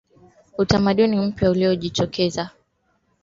Utamaduni mpya ulijitokeza uliokuwa wa Kiafrika na wa